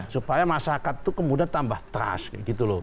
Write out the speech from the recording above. supaya masyarakat itu kemudian tambah trust